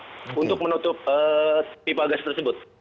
menggunakan alat berat untuk menutup pipa gas tersebut